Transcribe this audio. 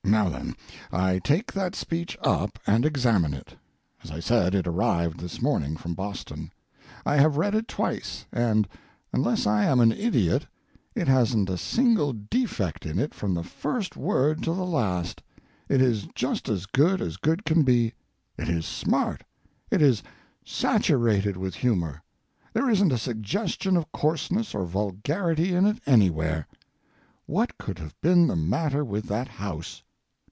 Now then, I take that speech up and examine it. As I said, it arrived this morning, from Boston. I have read it twice, and unless I am an idiot, it hasn't a single defect in it from the first word to the last. It is just as good as good can be. It is smart; it is saturated with humor. There isn't a suggestion of coarseness or vulgarity in it anywhere. What could have been the matter with that house?